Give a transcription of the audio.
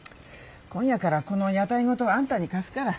今夜からこの屋台ごとあんたに貸すから。